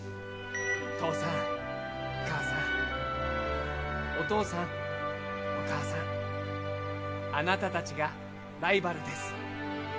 父さん、母さんお父さん、お母さんあなたたちがライバルです。